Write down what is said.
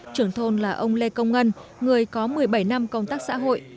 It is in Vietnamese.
trưởng thôn là ông lê công ngân người có một mươi bảy năm công tác xã hội